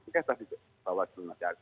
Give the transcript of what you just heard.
kita bawa sebelum nanti